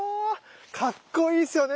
かっこいいっすよね